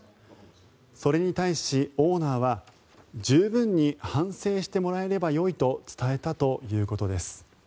それに対し、オーナーは十分に反省してもらえればよいと伝えたということです。